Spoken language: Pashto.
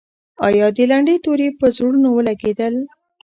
آیا د لنډۍ توري پر زړونو ولګېدل؟